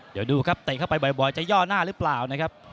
เดี๋ยวดูครับเตะเข้าไปบ่อยจะย่อหน้าหรือเปล่านะครับ